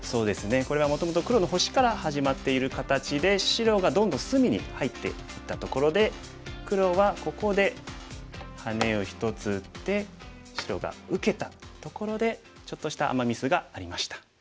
これはもともと黒の星から始まっている形で白がどんどん隅に入っていったところで黒はここでハネを１つ打って白が受けたところでちょっとしたアマ・ミスがありました。